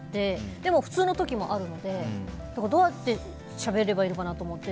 でも、普通の時もあるのでどうやってしゃべればいいのかなと思って。